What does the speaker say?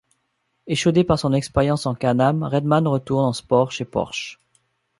Échaudé par son expérience en Can-Am, Redman retourne en Sport chez Porsche.